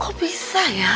kok bisa ya